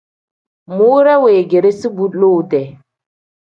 Muure weegeresi bu lowu-dee.